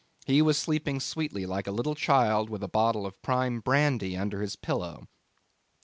He was sleeping sweetly like a little child, with a bottle of prime brandy under his pillow.